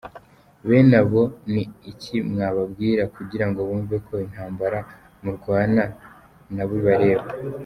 Bene aba ni iki mwababwira kugirango bumve ko intambara murwana na bo ibareba ?